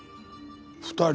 ２人？